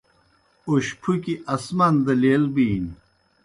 اوشپُھکیْ آسمان دہ لیل بِینیْ۔